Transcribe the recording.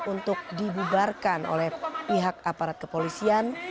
untuk dibubarkan oleh pihak aparat kepolisian